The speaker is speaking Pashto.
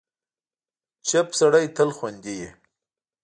چوپ سړی، تل خوندي وي.